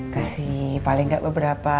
kasih paling gak beberapa